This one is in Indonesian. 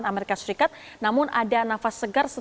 kemudian di dalam perjalanan kembali ke negara